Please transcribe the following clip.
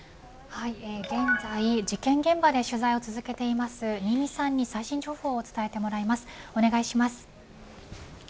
現在、事件現場で取材を続けています新実さんに最新情報をお伝えしてもらいます。